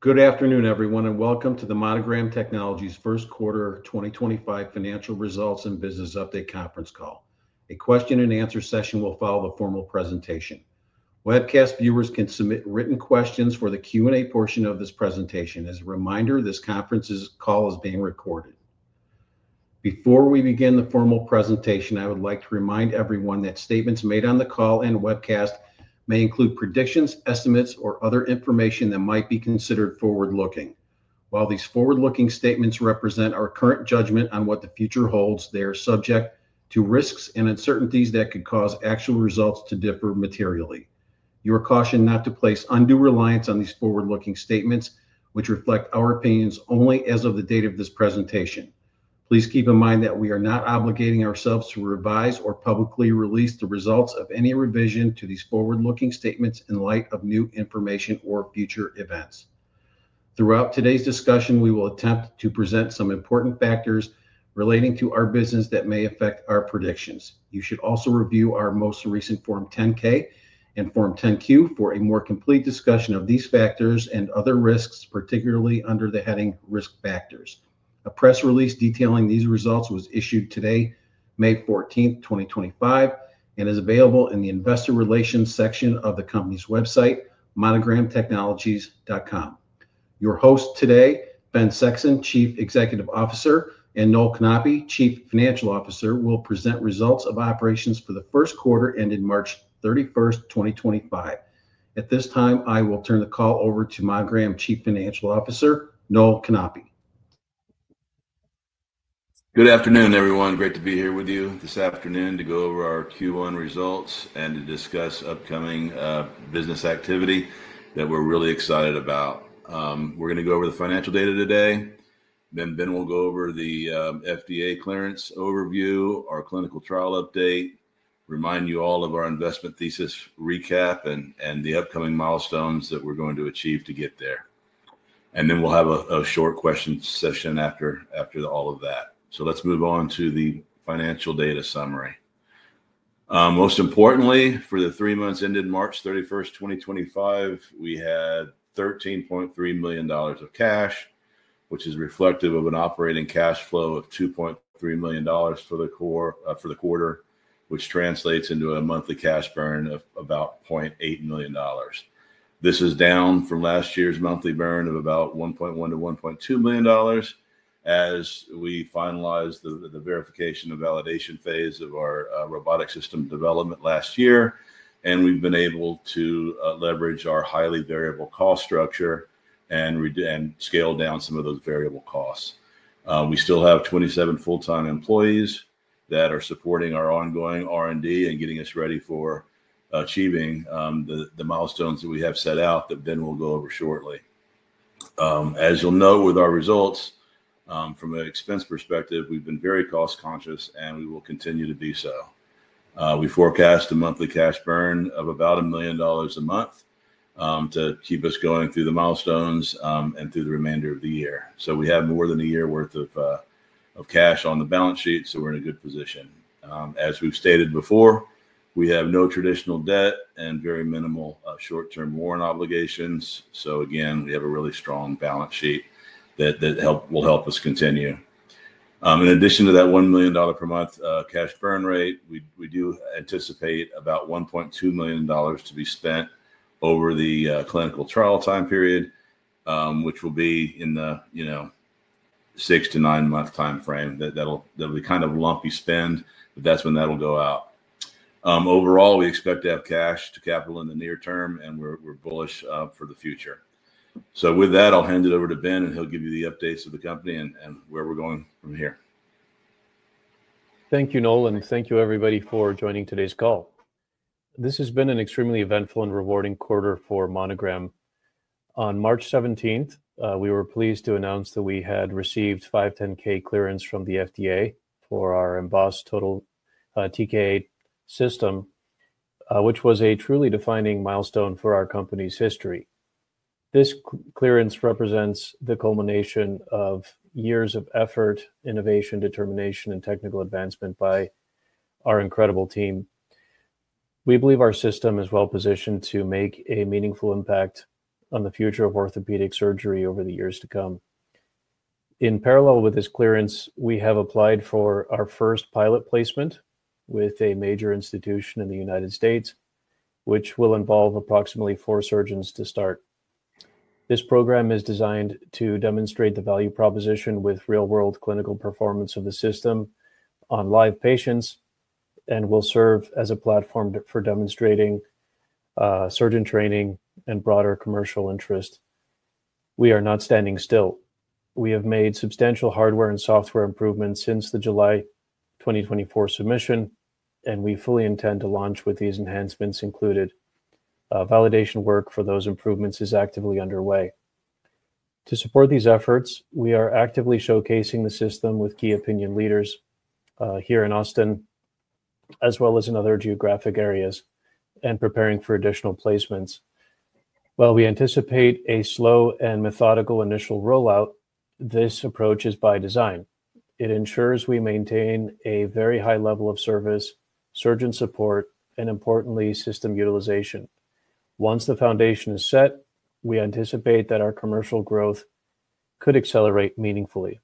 Good afternoon, everyone, and welcome to the Monogram Technologies' First Quarter 2025 Financial Results and Business Update Conference Call. A question-and-answer session will follow the formal presentation. Webcast viewers can submit written questions for the Q&A portion of this presentation. As a reminder, this conference call is being recorded. Before we begin the formal presentation, I would like to remind everyone that statements made on the call and webcast may include predictions, estimates, or other information that might be considered forward-looking. While these forward-looking statements represent our current judgment on what the future holds, they are subject to risks and uncertainties that could cause actual results to differ materially. You are cautioned not to place undue reliance on these forward-looking statements, which reflect our opinions only as of the date of this presentation. Please keep in mind that we are not obligating ourselves to revise or publicly release the results of any revision to these forward-looking statements in light of new information or future events. Throughout today's discussion, we will attempt to present some important factors relating to our business that may affect our predictions. You should also review our most recent Form 10-K and Form 10-Q for a more complete discussion of these factors and other risks, particularly under the heading Risk Factors. A press release detailing these results was issued today, May 14, 2025, and is available in the Investor Relations section of the company's website, monogramtechnologies.com. Your hosts today, Ben Sexson, Chief Executive Officer, and Noel Knape, Chief Financial Officer, will present results of operations for the first quarter ended March 31, 2025. At this time, I will turn the call over to Monogram Chief Financial Officer, Noel Knape. Good afternoon, everyone. Great to be here with you this afternoon to go over our Q1 results and to discuss upcoming business activity that we're really excited about. We're going to go over the financial data today. Then Ben will go over the FDA clearance overview, our clinical trial update, remind you all of our investment thesis recap, and the upcoming milestones that we're going to achieve to get there. After all of that, we'll have a short question session. Let's move on to the financial data summary. Most importantly, for the three months ended March 31, 2025, we had $13.3 million of cash, which is reflective of an operating cash flow of $2.3 million for the quarter, which translates into a monthly cash burn of about $0.8 million. This is down from last year's monthly burn of about $1.1 to $1.2 million as we finalized the verification and validation phase of our robotic system development last year. We've been able to leverage our highly variable cost structure and scale down some of those variable costs. We still have 27 full-time employees that are supporting our ongoing R&D and getting us ready for achieving the milestones that we have set out that Ben will go over shortly. As you'll know, with our results from an expense perspective, we've been very cost-conscious, and we will continue to be so. We forecast a monthly cash burn of about $1 million a month to keep us going through the milestones and through the remainder of the year. We have more than a year's worth of cash on the balance sheet, so we're in a good position. As we've stated before, we have no traditional debt and very minimal short-term warrant obligations. Again, we have a really strong balance sheet that will help us continue. In addition to that $1 million per month cash burn rate, we do anticipate about $1.2 million to be spent over the clinical trial time period, which will be in the six to nine-month time frame. That'll be kind of a lumpy spend, but that's when that'll go out. Overall, we expect to have cash to capital in the near term, and we're bullish for the future. With that, I'll hand it over to Ben, and he'll give you the updates of the company and where we're going from here. Thank you, Noel, and thank you, everybody, for joining today's call. This has been an extremely eventful and rewarding quarter for Monogram. On March 17, we were pleased to announce that we had received 510(k) clearance from the FDA for our mBôs TKA System, which was a truly defining milestone for our company's history. This clearance represents the culmination of years of effort, innovation, determination, and technical advancement by our incredible team. We believe our system is well-positioned to make a meaningful impact on the future of orthopedic surgery over the years to come. In parallel with this clearance, we have applied for our first pilot placement with a major institution in the United States, which will involve approximately four surgeons to start. This program is designed to demonstrate the value proposition with real-world clinical performance of the system on live patients and will serve as a platform for demonstrating surgeon training and broader commercial interest. We are not standing still. We have made substantial hardware and software improvements since the July 2024 submission, and we fully intend to launch with these enhancements included. Validation work for those improvements is actively underway. To support these efforts, we are actively showcasing the system with key opinion leaders here in Austin, as well as in other geographic areas, and preparing for additional placements. While we anticipate a slow and methodical initial rollout, this approach is by design. It ensures we maintain a very high level of service, surgeon support, and importantly, system utilization. Once the foundation is set, we anticipate that our commercial growth could accelerate meaningfully.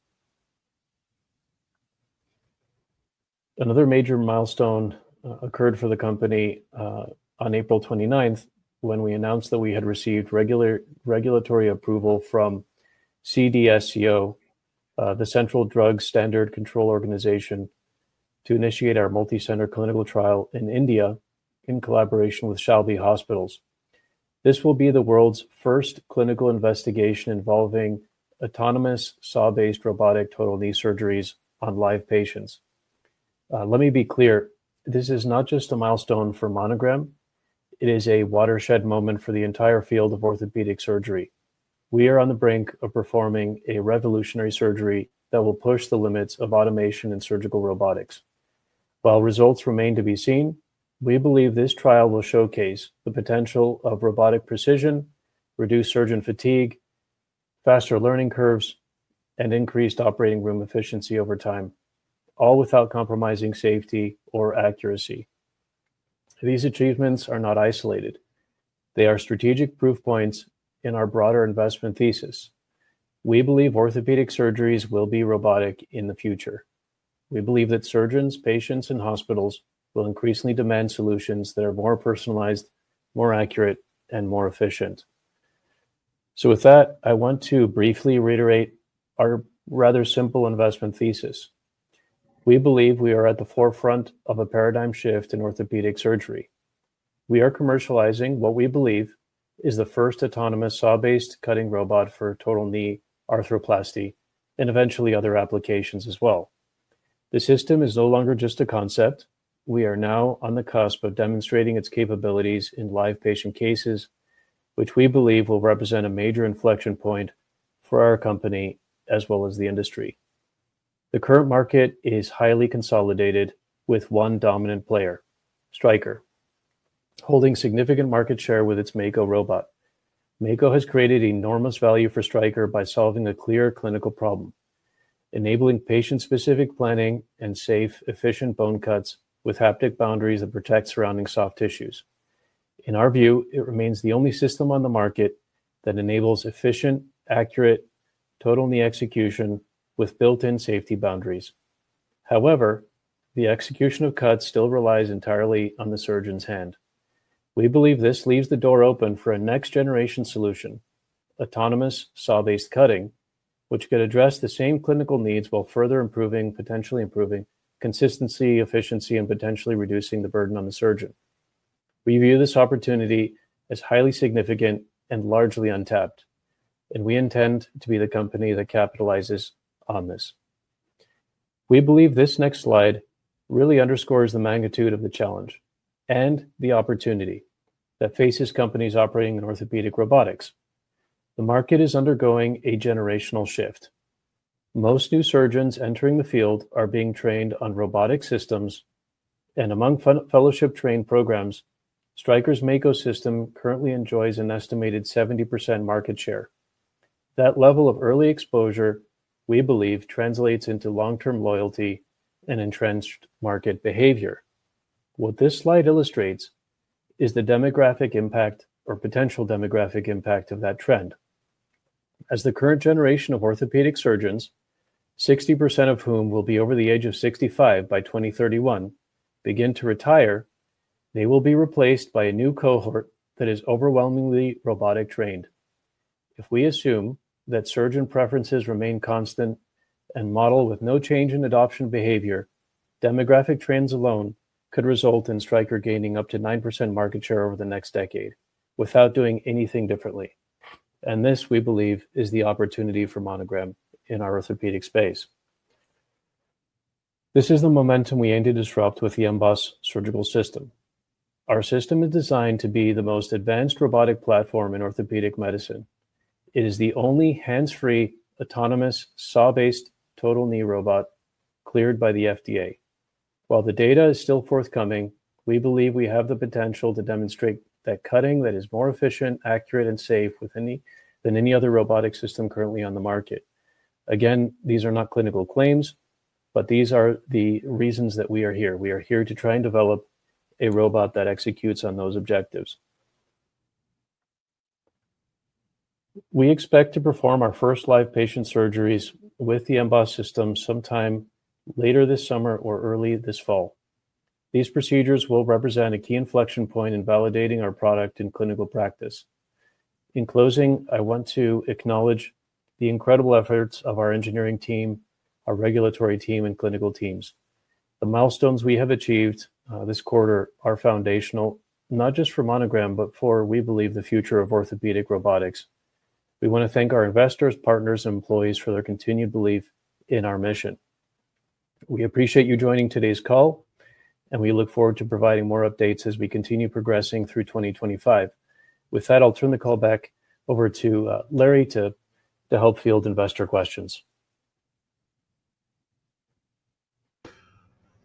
Another major milestone occurred for the company on April 29 when we announced that we had received regulatory approval from CDSCO, the Central Drugs Standard Control Organization, to initiate our multicenter clinical trial in India in collaboration with Shalby Hospitals. This will be the world's first clinical investigation involving autonomous saw-based robotic total knee surgeries on live patients. Let me be clear. This is not just a milestone for Monogram. It is a watershed moment for the entire field of orthopedic surgery. We are on the brink of performing a revolutionary surgery that will push the limits of automation and surgical robotics. While results remain to be seen, we believe this trial will showcase the potential of robotic precision, reduced surgeon fatigue, faster learning curves, and increased operating room efficiency over time, all without compromising safety or accuracy. These achievements are not isolated. They are strategic proof points in our broader investment thesis. We believe orthopedic surgeries will be robotic in the future. We believe that surgeons, patients, and hospitals will increasingly demand solutions that are more personalized, more accurate, and more efficient. With that, I want to briefly reiterate our rather simple investment thesis. We believe we are at the forefront of a paradigm shift in orthopedic surgery. We are commercializing what we believe is the first autonomous saw-based cutting robot for total knee arthroplasty and eventually other applications as well. The system is no longer just a concept. We are now on the cusp of demonstrating its capabilities in live patient cases, which we believe will represent a major inflection point for our company as well as the industry. The current market is highly consolidated with one dominant player, Stryker, holding significant market share with its Mako robot. Mako has created enormous value for Stryker by solving a clear clinical problem, enabling patient-specific planning and safe, efficient bone cuts with haptic boundaries that protect surrounding soft tissues. In our view, it remains the only system on the market that enables efficient, accurate total knee execution with built-in safety boundaries. However, the execution of cuts still relies entirely on the surgeon's hand. We believe this leaves the door open for a next-generation solution, autonomous saw-based cutting, which could address the same clinical needs while further improving, potentially improving consistency, efficiency, and potentially reducing the burden on the surgeon. We view this opportunity as highly significant and largely untapped, and we intend to be the company that capitalizes on this. We believe this next slide really underscores the magnitude of the challenge and the opportunity that faces companies operating in orthopedic robotics. The market is undergoing a generational shift. Most new surgeons entering the field are being trained on robotic systems, and among fellowship-trained programs, Stryker's Mako system currently enjoys an estimated 70% market share. That level of early exposure, we believe, translates into long-term loyalty and entrenched market behavior. What this slide illustrates is the demographic impact or potential demographic impact of that trend. As the current generation of orthopedic surgeons, 60% of whom will be over the age of 65 by 2031, begin to retire, they will be replaced by a new cohort that is overwhelmingly robotic-trained. If we assume that surgeon preferences remain constant and model with no change in adoption behavior, demographic trends alone could result in Stryker gaining up to 9% market share over the next decade without doing anything differently. This, we believe, is the opportunity for Monogram in our orthopedic space. This is the momentum we aim to disrupt with the mBôs surgical system. Our system is designed to be the most advanced robotic platform in orthopedic medicine. It is the only hands-free, autonomous, saw-based total knee robot cleared by the FDA. While the data is still forthcoming, we believe we have the potential to demonstrate that cutting that is more efficient, accurate, and safe than any other robotic system currently on the market. Again, these are not clinical claims, but these are the reasons that we are here. We are here to try and develop a robot that executes on those objectives. We expect to perform our first live patient surgeries with the mBôs system sometime later this summer or early this fall. These procedures will represent a key inflection point in validating our product in clinical practice. In closing, I want to acknowledge the incredible efforts of our engineering team, our regulatory team, and clinical teams. The milestones we have achieved this quarter are foundational, not just for Monogram, but for, we believe, the future of orthopedic robotics. We want to thank our investors, partners, and employees for their continued belief in our mission. We appreciate you joining today's call, and we look forward to providing more updates as we continue progressing through 2025. With that, I'll turn the call back over to Larry to help field investor questions.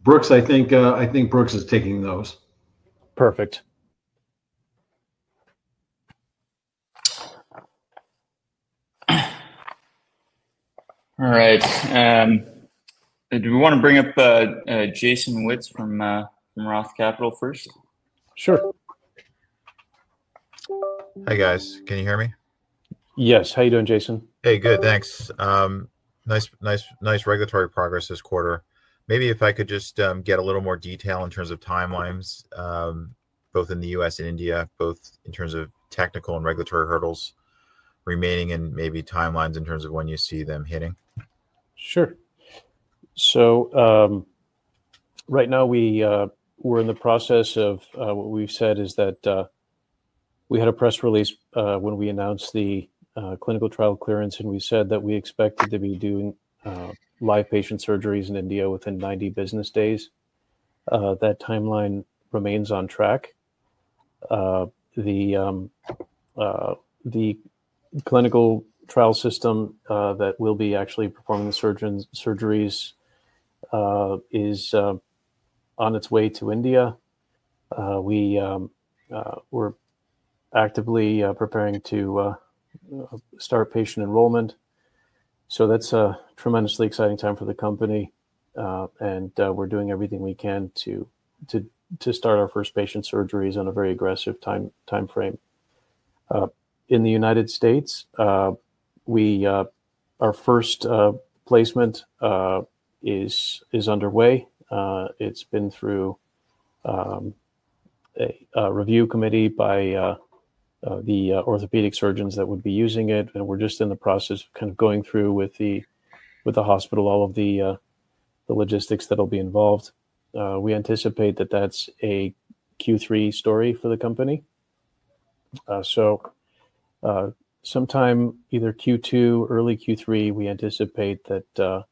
Brooks, I think Brooks is taking notes. Perfect. All right. Do we want to bring up Jason Wittes from Roth Capital first? Sure. Hey, guys. Can you hear me? Yes. How are you doing, Jason? Hey, good. Thanks. Nice regulatory progress this quarter. Maybe if I could just get a little more detail in terms of timelines, both in the U.S. and India, both in terms of technical and regulatory hurdles remaining and maybe timelines in terms of when you see them hitting. Sure. Right now, we're in the process of what we've said is that we had a press release when we announced the clinical trial clearance, and we said that we expected to be doing live patient surgeries in India within 90 business days. That timeline remains on track. The clinical trial system that will be actually performing the surgeons' surgeries is on its way to India. We're actively preparing to start patient enrollment. That's a tremendously exciting time for the company, and we're doing everything we can to start our first patient surgeries on a very aggressive timeframe. In the United States, our first placement is underway. It's been through a review committee by the orthopedic surgeons that would be using it, and we're just in the process of kind of going through with the hospital all of the logistics that will be involved. We anticipate that that's a Q3 story for the company. Sometime either Q2, early Q3, we anticipate that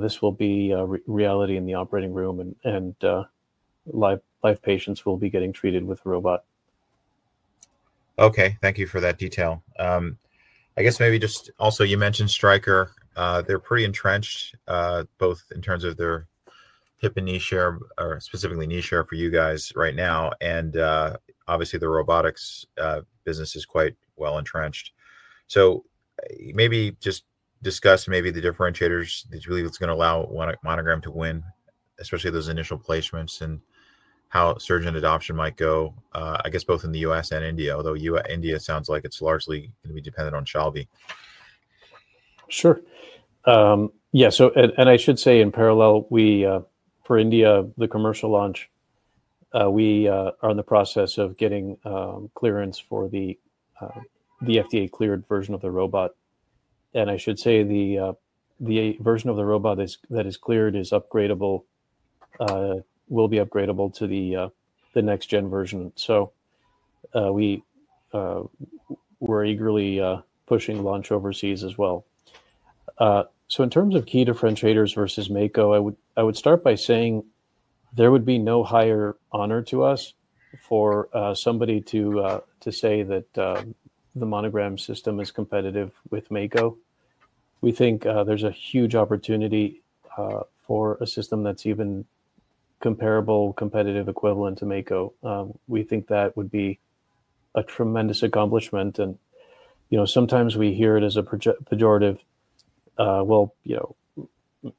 this will be a reality in the operating room, and live patients will be getting treated with a robot. Okay. Thank you for that detail. I guess maybe just also, you mentioned Stryker. They're pretty entrenched, both in terms of their hip and knee share, or specifically knee share for you guys right now, and obviously, the robotics business is quite well entrenched. Maybe just discuss maybe the differentiators that you believe it's going to allow Monogram to win, especially those initial placements and how surgeon adoption might go, I guess, both in the U.S. and India, although India sounds like it's largely going to be dependent on Shalby. Sure. Yeah. I should say in parallel, for India, the commercial launch, we are in the process of getting clearance for the FDA-cleared version of the robot. I should say the version of the robot that is cleared will be upgradable to the next-gen version. We're eagerly pushing launch overseas as well. In terms of key differentiators versus Mako, I would start by saying there would be no higher honor to us for somebody to say that the Monogram system is competitive with Mako. We think there's a huge opportunity for a system that's even comparable, competitive equivalent to Mako. We think that would be a tremendous accomplishment. Sometimes we hear it as a pejorative, "Well,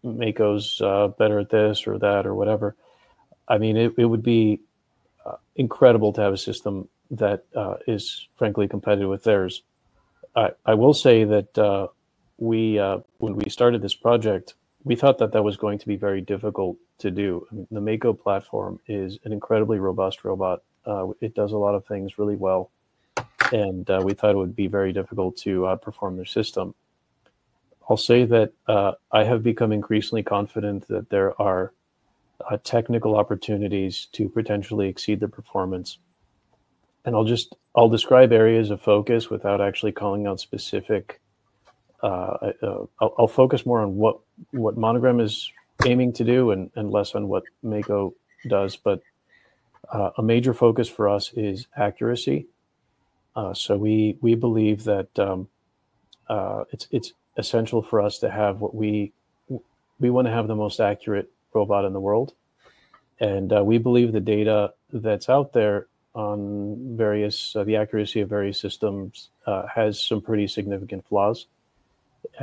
Mako's better at this or that or whatever." I mean, it would be incredible to have a system that is, frankly, competitive with theirs. I will say that when we started this project, we thought that that was going to be very difficult to do. The Mako platform is an incredibly robust robot. It does a lot of things really well, and we thought it would be very difficult to outperform their system. I'll say that I have become increasingly confident that there are technical opportunities to potentially exceed the performance. I will describe areas of focus without actually calling out specific. I will focus more on what Monogram is aiming to do and less on what Mako does. A major focus for us is accuracy. We believe that it's essential for us to have what we want to have the most accurate robot in the world. We believe the data that's out there on the accuracy of various systems has some pretty significant flaws.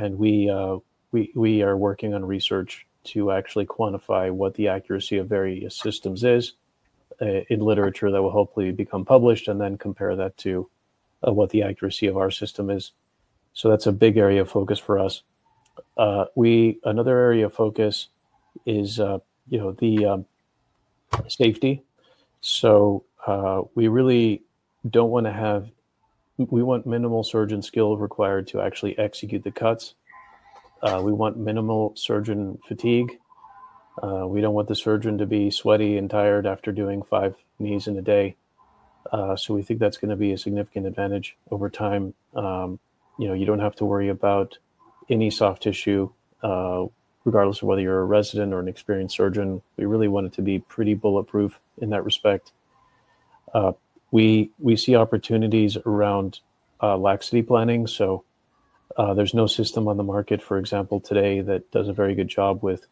We are working on research to actually quantify what the accuracy of various systems is in literature that will hopefully become published and then compare that to what the accuracy of our system is. That is a big area of focus for us. Another area of focus is the safety. We really do not want to have—we want minimal surgeon skill required to actually execute the cuts. We want minimal surgeon fatigue. We do not want the surgeon to be sweaty and tired after doing five knees in a day. We think that is going to be a significant advantage over time. You do not have to worry about any soft tissue, regardless of whether you are a resident or an experienced surgeon. We really want it to be pretty bulletproof in that respect. We see opportunities around laxity planning. There's no system on the market, for example, today that does a very good job with,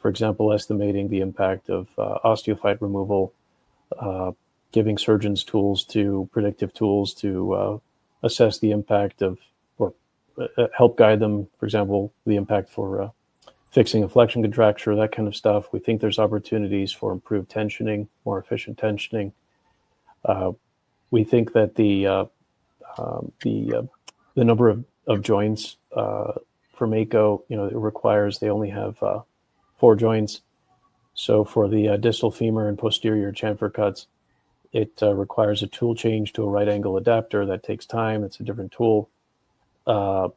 for example, estimating the impact of osteophyte removal, giving surgeons predictive tools to assess the impact or help guide them, for example, the impact for fixing a flexion contracture, that kind of stuff. We think there's opportunities for improved tensioning, more efficient tensioning. We think that the number of joints for Mako, it requires they only have four joints. For the distal femur and posterior chamfer cuts, it requires a tool change to a right-angle adapter. That takes time. It's a different tool. A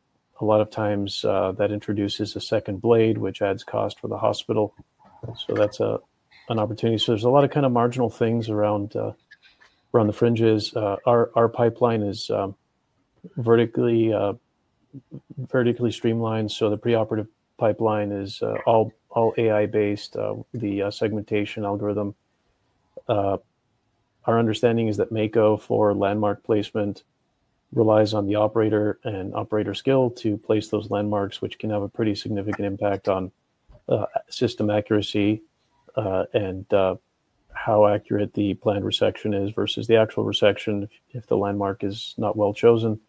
lot of times, that introduces a second blade, which adds cost for the hospital. That's an opportunity. There's a lot of kind of marginal things around the fringes. Our pipeline is vertically streamlined. The preoperative pipeline is all AI-based, the segmentation algorithm. Our understanding is that Mako for landmark placement relies on the operator and operator skill to place those landmarks, which can have a pretty significant impact on system accuracy and how accurate the planned resection is versus the actual resection if the landmark is not well chosen.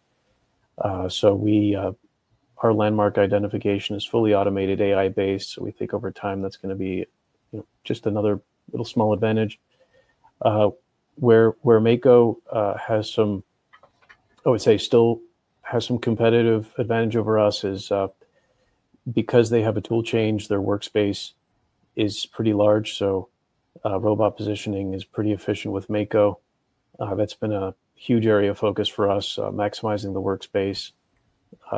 Our landmark identification is fully automated, AI-based. We think over time, that's going to be just another little small advantage. Where Mako has some, I would say, still has some competitive advantage over us is because they have a tool change, their workspace is pretty large. Robot positioning is pretty efficient with Mako. That's been a huge area of focus for us, maximizing the workspace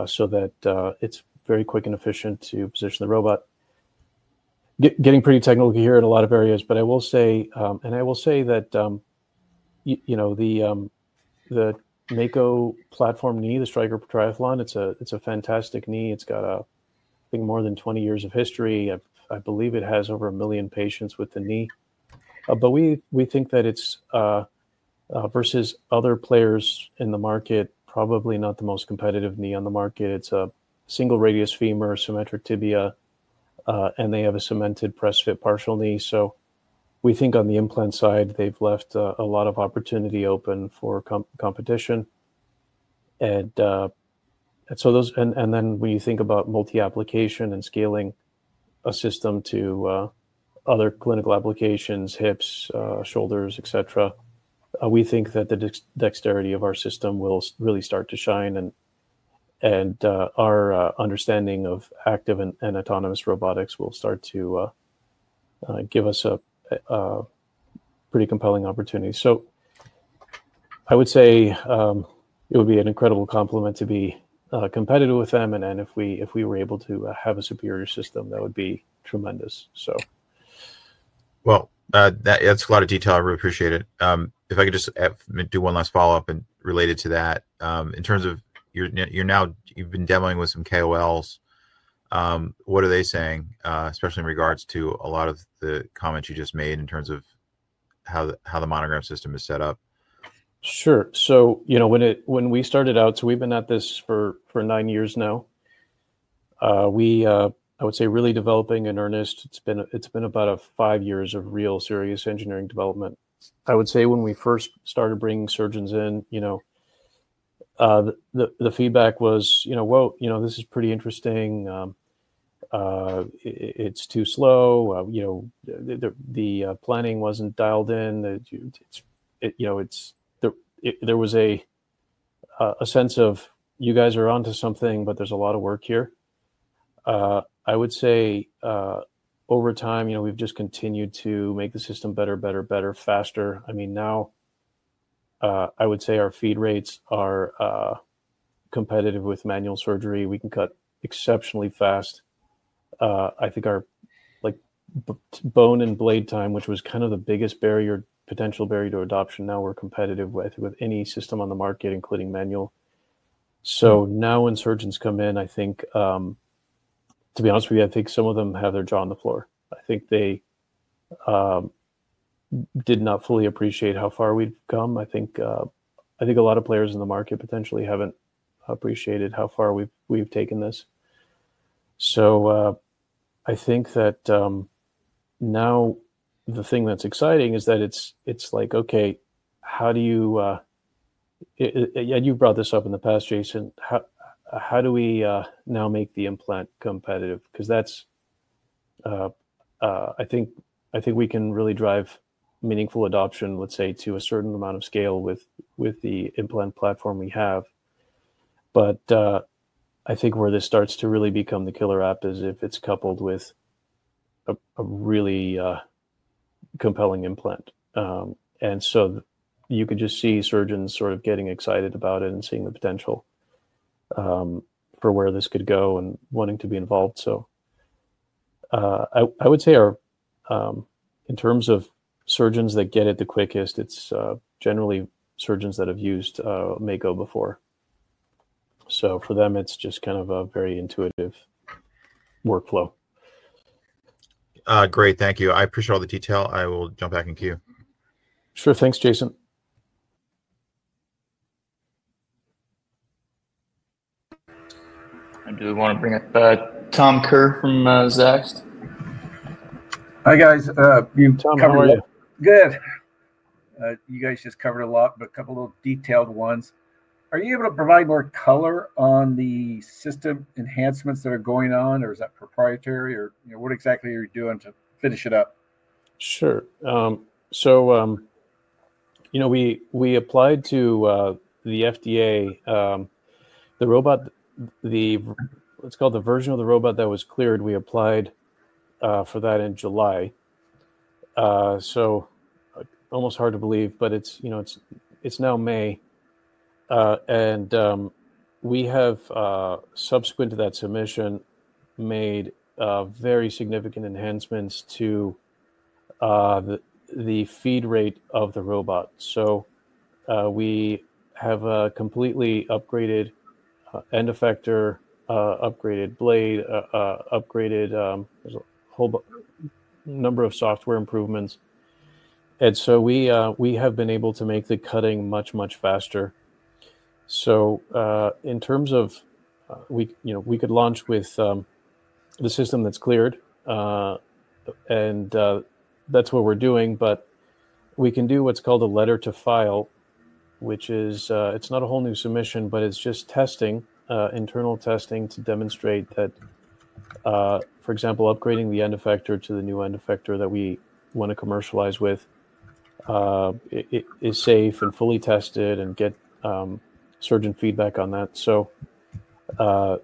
so that it's very quick and efficient to position the robot. Getting pretty technical here in a lot of areas, but I will say, and I will say that the Mako platform knee, the Stryker Triathlon, it's a fantastic knee. It's got a, I think, more than 20 years of history. I believe it has over a million patients with the knee. But we think that it's, versus other players in the market, probably not the most competitive knee on the market. It's a single radius femur, symmetric tibia, and they have a cemented press-fit partial knee. So we think on the implant side, they've left a lot of opportunity open for competition. Those, and then when you think about multi-application and scaling a system to other clinical applications, hips, shoulders, etc., we think that the dexterity of our system will really start to shine, and our understanding of active and autonomous robotics will start to give us a pretty compelling opportunity. I would say it would be an incredible compliment to be competitive with them. If we were able to have a superior system, that would be tremendous. That's a lot of detail. I really appreciate it. If I could just do one last follow-up related to that. In terms of you've been demoing with some KOLs, what are they saying, especially in regards to a lot of the comments you just made in terms of how the Monogram system is set up? Sure. When we started out, we've been at this for nine years now. I would say really developing in earnest, it's been about five years of real serious engineering development. I would say when we first started bringing surgeons in, the feedback was, "Whoa, this is pretty interesting. It's too slow. The planning wasn't dialed in." There was a sense of, "You guys are onto something, but there's a lot of work here." I would say over time, we've just continued to make the system better, better, better, faster. I mean, now, I would say our feed rates are competitive with manual surgery. We can cut exceptionally fast. I think our bone and blade time, which was kind of the biggest potential barrier to adoption, now we're competitive with any system on the market, including manual. Now when surgeons come in, I think, to be honest with you, I think some of them have their jaw on the floor. I think they did not fully appreciate how far we've come. I think a lot of players in the market potentially haven't appreciated how far we've taken this. I think that now the thing that's exciting is that it's like, "Okay, how do you"—and you've brought this up in the past, Jason. How do we now make the implant competitive? Because that's, I think we can really drive meaningful adoption, let's say, to a certain amount of scale with the implant platform we have. I think where this starts to really become the killer app is if it's coupled with a really compelling implant. You could just see surgeons sort of getting excited about it and seeing the potential for where this could go and wanting to be involved. I would say in terms of surgeons that get it the quickest, it's generally surgeons that have used Mako before. For them, it's just kind of a very intuitive workflow. Great. Thank you. I appreciate all the detail. I will jump back in queue. Sure. Thanks, Jason. I do want to bring up Tom Kerr from Zacks. Hi, guys. Good. You guys just covered a lot, but a couple of little detailed ones. Are you able to provide more color on the system enhancements that are going on, or is that proprietary? Or what exactly are you doing to finish it up? Sure. So we applied to the FDA, the robot, let's call it the version of the robot that was cleared. We applied for that in July. Almost hard to believe, but it's now May. We have, subsequent to that submission, made very significant enhancements to the feed rate of the robot. We have a completely upgraded end effector, upgraded blade, upgraded—there's a whole number of software improvements. We have been able to make the cutting much, much faster. In terms of, we could launch with the system that's cleared, and that's what we're doing. We can do what's called a letter to file, which is not a whole new submission, but it's just testing, internal testing to demonstrate that, for example, upgrading the end effector to the new end effector that we want to commercialize with is safe and fully tested and get surgeon feedback on that.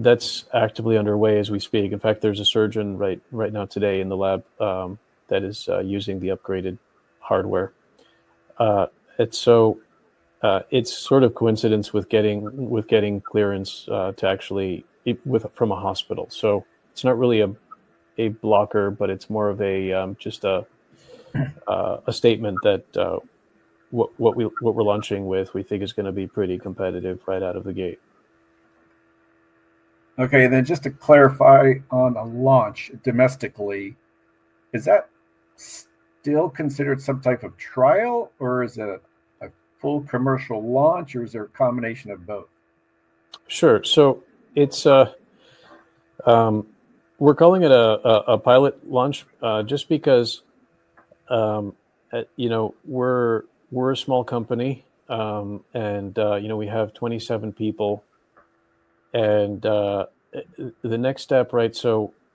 That's actively underway as we speak. In fact, there's a surgeon right now today in the lab that is using the upgraded hardware. It's sort of coincidence with getting clearance from a hospital. It's not really a blocker, but it's more of just a statement that what we're launching with, we think, is going to be pretty competitive right out of the gate. Okay. And then just to clarify on a launch domestically, is that still considered some type of trial, or is it a full commercial launch, or is there a combination of both? Sure. We're calling it a pilot launch just because we're a small company, and we have 27 people. The next step, right,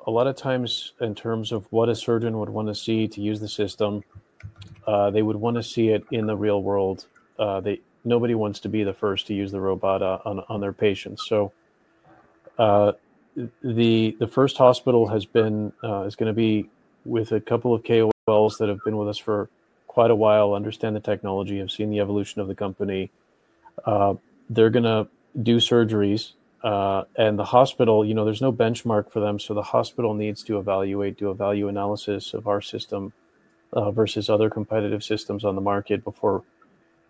a lot of times, in terms of what a surgeon would want to see to use the system, they would want to see it in the real world. Nobody wants to be the first to use the robot on their patients. The first hospital is going to be with a couple of KOLs that have been with us for quite a while, understand the technology, have seen the evolution of the company. They're going to do surgeries. The hospital, there's no benchmark for them. The hospital needs to evaluate, to do a value analysis of our system versus other competitive systems on the market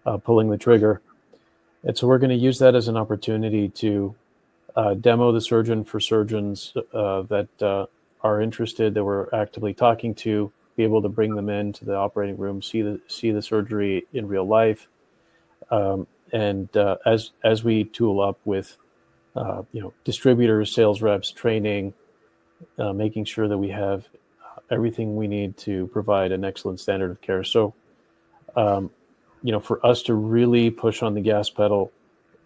before pulling the trigger. We're going to use that as an opportunity to demo the surgeon for surgeons that are interested, that we're actively talking to, be able to bring them into the operating room, see the surgery in real life. As we tool up with distributors, sales reps, training, making sure that we have everything we need to provide an excellent standard of care. For us to really push on the gas pedal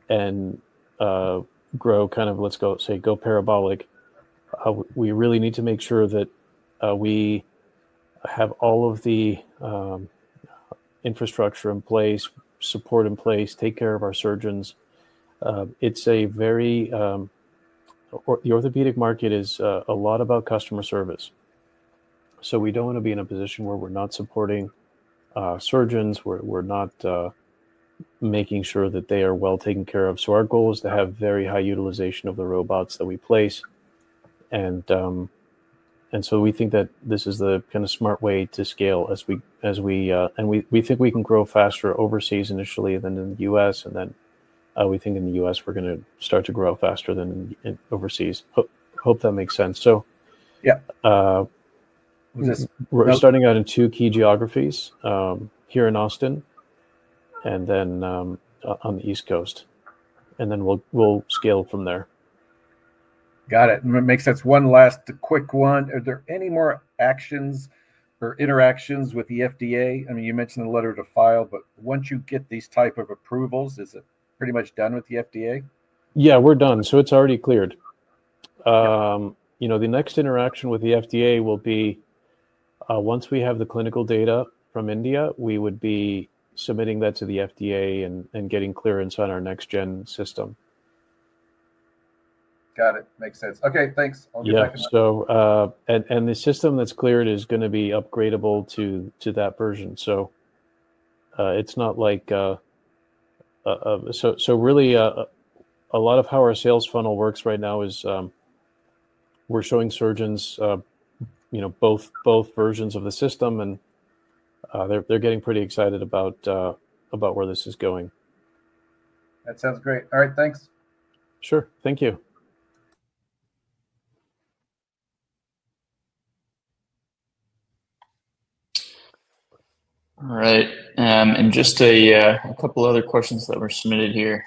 and grow kind of, let's say, go parabolic, we really need to make sure that we have all of the infrastructure in place, support in place, take care of our surgeons. The orthopedic market is a lot about customer service. We don't want to be in a position where we're not supporting surgeons. We're not making sure that they are well taken care of. Our goal is to have very high utilization of the robots that we place. We think that this is the kind of smart way to scale as we and we think we can grow faster overseas initially than in the U.S. We think in the U.S., we're going to start to grow faster than overseas. Hope that makes sense. We're starting out in two key geographies here in Austin and then on the East Coast. We'll scale from there. Got it. Makes sense. One last quick one. Are there any more actions or interactions with the FDA? I mean, you mentioned a letter to file, but once you get these type of approvals, is it pretty much done with the FDA? Yeah, we're done. So it's already cleared. The next interaction with the FDA will be once we have the clinical data from India, we would be submitting that to the FDA and getting clearance on our next-gen system. Got it. Makes sense. Okay. Thanks. I'll get back to that. Yeah. The system that's cleared is going to be upgradable to that version. It is not like, so really, a lot of how our sales funnel works right now is we're showing surgeons both versions of the system, and they're getting pretty excited about where this is going. That sounds great. All right. Thanks. Sure. Thank you. All right. Just a couple of other questions that were submitted here.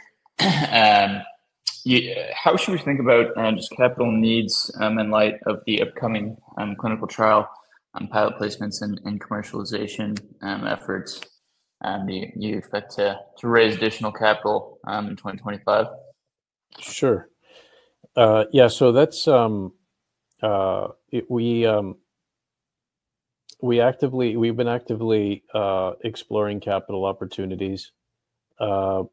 How should we think about just capital needs in light of the upcoming clinical trial and pilot placements and commercialization efforts? Do you expect to raise additional capital in 2025? Sure. Yeah. So we've been actively exploring capital opportunities. We're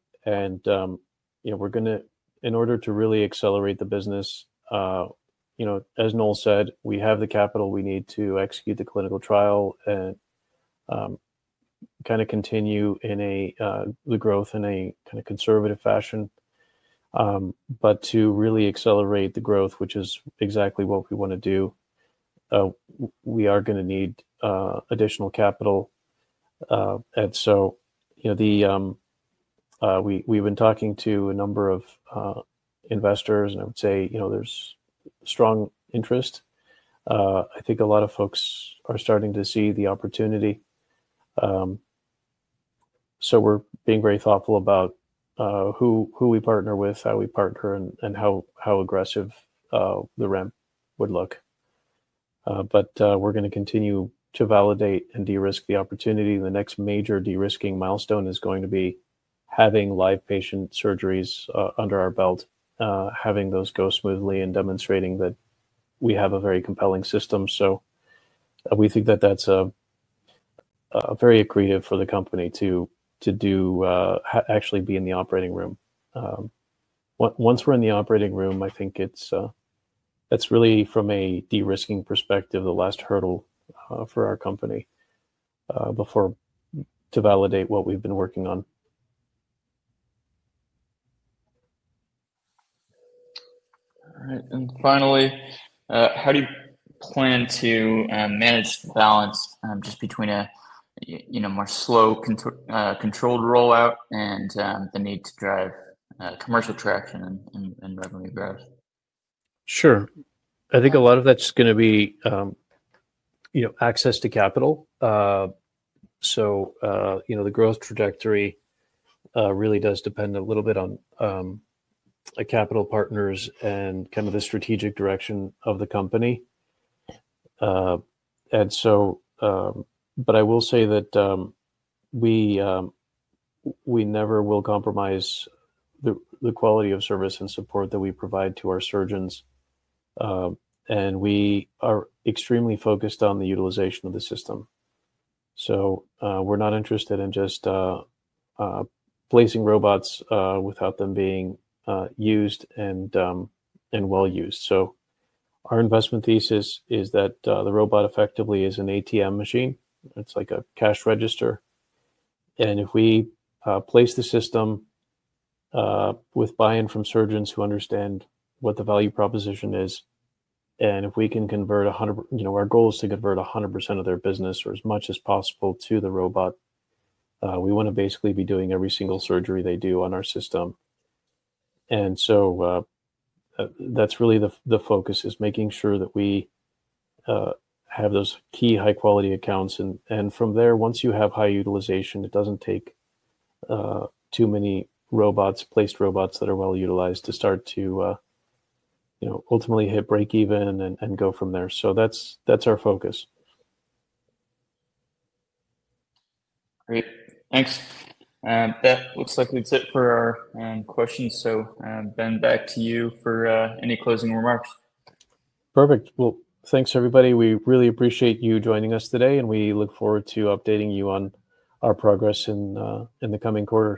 going to, in order to really accelerate the business, as Noel said, we have the capital we need to execute the clinical trial and kind of continue in the growth in a kind of conservative fashion. To really accelerate the growth, which is exactly what we want to do, we are going to need additional capital. We've been talking to a number of investors, and I would say there's strong interest. I think a lot of folks are starting to see the opportunity. We're being very thoughtful about who we partner with, how we partner, and how aggressive the ramp would look. We're going to continue to validate and de-risk the opportunity. The next major de-risking milestone is going to be having live patient surgeries under our belt, having those go smoothly and demonstrating that we have a very compelling system. We think that that's very accretive for the company to actually be in the operating room. Once we're in the operating room, I think that's really, from a de-risking perspective, the last hurdle for our company to validate what we've been working on. All right. Finally, how do you plan to manage the balance just between a more slow, controlled rollout and the need to drive commercial traction and revenue growth? Sure. I think a lot of that's going to be access to capital. The growth trajectory really does depend a little bit on capital partners and kind of the strategic direction of the company. I will say that we never will compromise the quality of service and support that we provide to our surgeons. We are extremely focused on the utilization of the system. We're not interested in just placing robots without them being used and well used. Our investment thesis is that the robot effectively is an ATM machine. It's like a cash register. If we place the system with buy-in from surgeons who understand what the value proposition is, and if we can convert 100%, our goal is to convert 100% of their business or as much as possible to the robot, we want to basically be doing every single surgery they do on our system. That is really the focus, making sure that we have those key high-quality accounts. From there, once you have high utilization, it does not take too many placed robots that are well utilized to start to ultimately hit break-even and go from there. That is our focus. Great. Thanks. That looks like it's it for our questions. So Ben, back to you for any closing remarks. Perfect. Thanks, everybody. We really appreciate you joining us today, and we look forward to updating you on our progress in the coming quarter.